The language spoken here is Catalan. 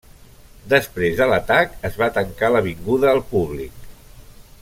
Després de l'atac, es va tancar l'avinguda al públic.